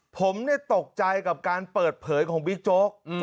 ผมตกใจกับการเปิดเผยของบิ๊กโจ๊ก